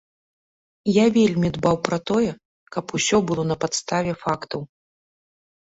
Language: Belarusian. Я вельмі дбаў пра тое, каб ўсё было на падставе фактаў.